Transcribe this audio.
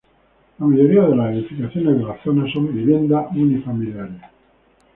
La mayoría de las edificaciones de la zona son viviendas unifamiliares.